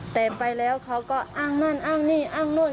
แต่ไปแล้วเขาก็อ้างนั่นอ้างนี่อ้างนู่น